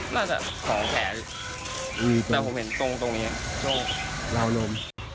น่าจะของแผลแต่ผมเห็นตรงตรงเองเรารม